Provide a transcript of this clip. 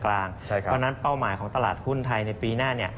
เพราะฉะนั้นเป้าหมายของตลาดหุ้นไทยในปีหน้า